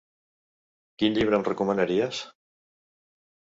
Quin llibre em recomanaries?